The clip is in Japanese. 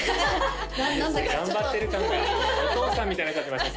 何だかちょっと頑張ってる感がお父さんみたいになっちゃってました